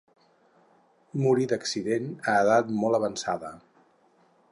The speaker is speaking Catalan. Morí d'accident a edat molt avançada.